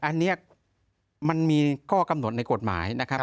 อันนี้มันมีข้อกำหนดในกฎหมายนะครับ